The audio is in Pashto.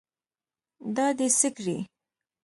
دا دې څه کړي.